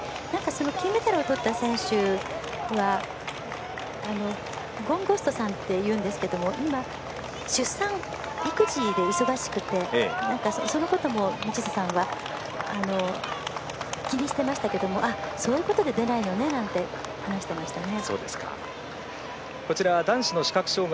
金メダルをとった選手はゴンゴストさんっていうんですが今、出産、育児で忙しくてそのことも道下さんは気にしてましたけどもそういうことで出ないのねなんて、話していましたね。